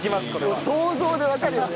もう想像でわかるよね